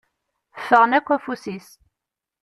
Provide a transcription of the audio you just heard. Ffɣen akk afus-is.